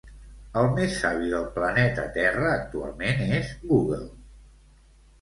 El més savi del planeta Terra actualment és google